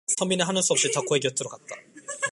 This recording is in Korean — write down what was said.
선비는 하는 수 없이 덕호의 곁으로 갔다.